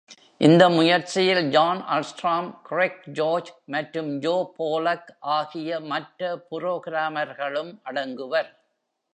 இந்த முயற்சியில் John Alstrom, Greg George மற்றும் ஜோ போலக் ஆகிய மற்ற புரோகிராமர்களும் அடங்குவர்.